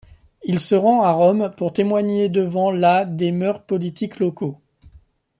Il se rend à Rome pour témoigner devant la des mœurs politiques locaux.